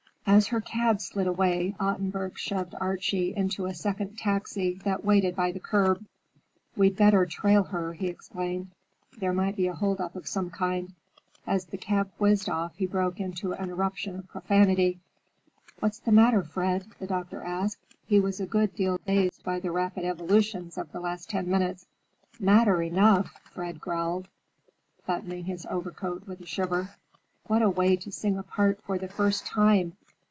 As her cab slid away, Ottenburg shoved Archie into a second taxi that waited by the curb. "We'd better trail her," he explained. "There might be a hold up of some kind." As the cab whizzed off he broke into an eruption of profanity. "What's the matter, Fred?" the doctor asked. He was a good deal dazed by the rapid evolutions of the last ten minutes. "Matter enough!" Fred growled, buttoning his overcoat with a shiver. "What a way to sing a part for the first time!